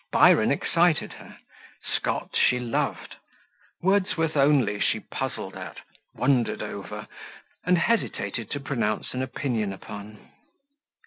Byron excited her; Scott she loved; Wordsworth only she puzzled at, wondered over, and hesitated to pronounce an opinion upon.